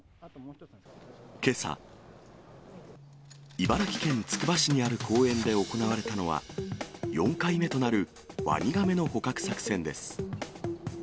けさ、茨城県つくば市にある公園で行われたのは、４回目となるワニガメの捕獲作戦です。